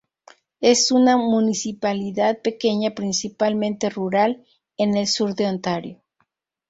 Es una municipalidad pequeña, principalmente rural en el sur de Ontario.